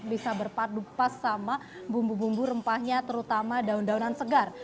bisa berpadu pas sama bumbu bumbu rempahnya terutama daun daunan segar